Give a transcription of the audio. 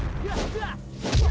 pakiku seorang kiai yang menentangnya